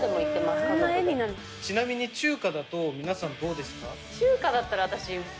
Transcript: ちなみに中華だと皆さんどうですか？